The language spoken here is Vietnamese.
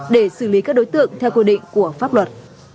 để xử lý các đối tượng theo quy định của pháp luật